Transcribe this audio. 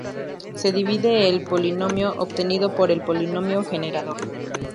Se divide el polinomio obtenido por el polinomio generador.